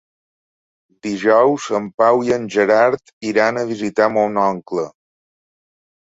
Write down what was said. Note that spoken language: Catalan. Dijous en Pau i en Gerard iran a visitar mon oncle.